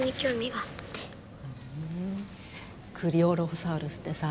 ふんクリオロフォサウルスってさ